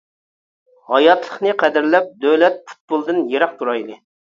ھاياتلىقنى قەدىرلەپ، دۆلەت پۇتبولدىن يىراق تۇرايلى!